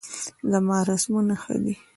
زما رسمونه ښه دي